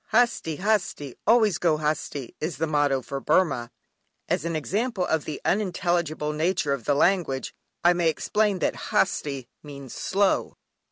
"Hasti, hasti, always go hasti" is the motto for Burmah. As an example of the unintelligible nature of the language I may explain that "Hasti" means "slow!"